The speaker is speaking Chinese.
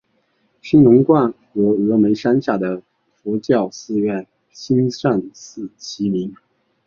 兴隆观和峨嵋山下的佛教寺院兴善寺齐名。